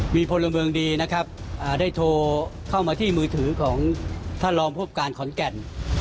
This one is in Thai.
มีพลเมืองดีนะครับได้โทรเข้ามาที่มือถือของท่านรองพบการขอนแก่น